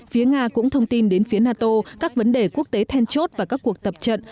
phía nga cũng thông tin đến phía nato các vấn đề quốc tế then chốt và các cuộc tập trận